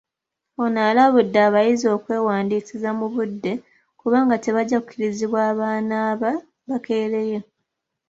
Ono alabudde abayizi okwewandiisiza mu budde kubanga tebajja kukkirizibwa abanaaba bakeereye.